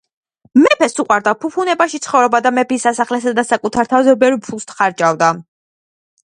მეფეს უყვარდა ფუფუნებაში ცხოვრება და მეფის სასახლესა და საკუთარ თავზე ბევრ ფულს ხარჯავდა.